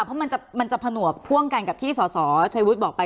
เพราะมันจะผนวกพ่วงกันกับที่สสชัยวุฒิบอกไป